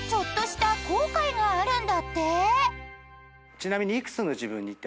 ちなみに。